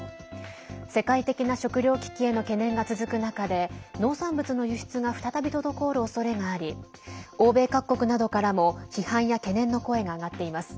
世界的な食糧危機への懸念が続く中で農産物の輸出が再び滞るおそれがあり欧米各国などからも批判や懸念の声が上がっています。